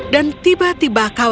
dan tiba tiba kembali ke taman